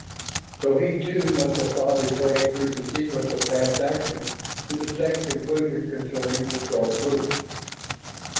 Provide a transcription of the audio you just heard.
So he, too, must have thought his way through the sequence of past action to the same conclusion concerning the Throg movements.